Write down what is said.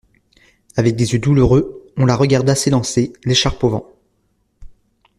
Avec des yeux douloureux, on la regarda s'élancer, l'écharpe au vent.